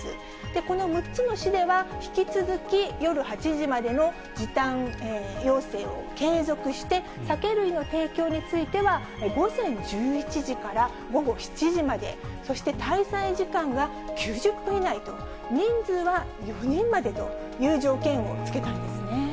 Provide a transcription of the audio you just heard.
この６つの市では、引き続き夜８時までの時短要請を継続して、酒類の提供については午前１１時から午後７時まで、そして滞在時間は９０分以内と、人数は４人までという条件を付けたんですね。